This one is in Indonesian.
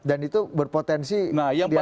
dan itu berpotensi dianggap radikal